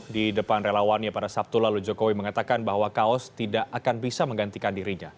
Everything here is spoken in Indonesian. di depan relawannya pada sabtu lalu jokowi mengatakan bahwa kaos tidak akan bisa menggantikan dirinya